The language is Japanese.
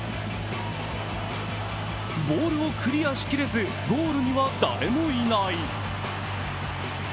ボールをクリアしきれずゴールには誰もいない。